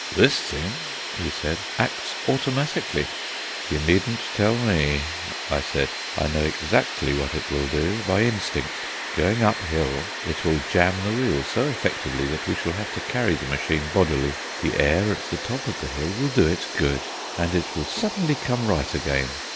"This thing," he said, "acts automatically." "You needn't tell me," I said. "I know exactly what it will do, by instinct. Going uphill it will jamb the wheel so effectively that we shall have to carry the machine bodily. The air at the top of the hill will do it good, and it will suddenly come right again.